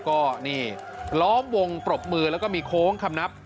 ก็นี่ล้อมวงปรบมือแล้วก็มีโค้งคำนับ